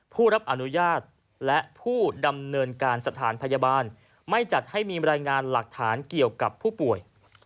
ผู้รับอนุญาตและผู้ดำเนินการสถานพยาบาลไม่จัดให้มีรายงานหลักฐานเกี่ยวกับผู้ป่วย